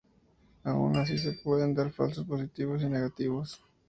Aun así se pueden dar falsos positivos y negativos.